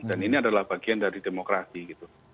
dan ini adalah bagian dari demokrasi gitu